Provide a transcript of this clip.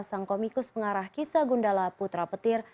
sang komikus pengarah kisah gundala putra petir